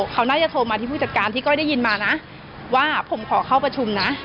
เขาน่าจะโทรมาที่ผู้จัดการที่ก้อยได้ยินมานะว่าผมขอเข้าประชุมนะ